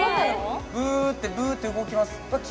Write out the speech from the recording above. ブーってブーって動きます